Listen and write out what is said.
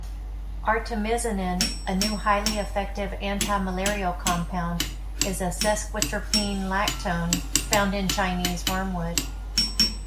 Artemisinin, a new, highly-effective anti-malarial compound, is a sesquiterpene lactone found in Chinese wormwood.